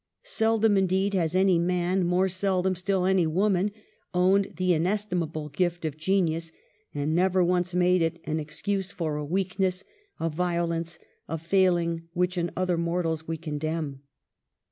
Seldom, indeed, has any man, more seldom still any woman, owned the inestimable gift of genius and never once made it an excuse for a weakness, a violence, a failing, which in other mortals we condemn.